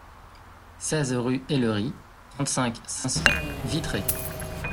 seize rue Hellerie, trente-cinq, cinq cents, Vitré